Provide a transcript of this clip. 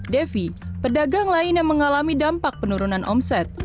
devi pedagang lain yang mengalami dampak penurunan omset